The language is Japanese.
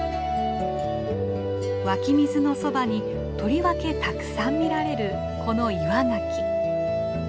湧き水のそばにとりわけたくさん見られるこのイワガキ。